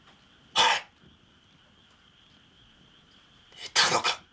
寝たのか！